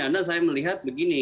karena saya melihat begini